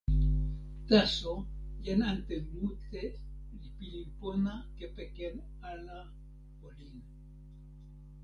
taso jan ante mute li pilin pona kepeken ala olin.